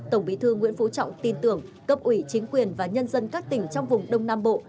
tổng bí thư nguyễn phú trọng tin tưởng cấp ủy chính quyền và nhân dân các tỉnh trong vùng đông nam bộ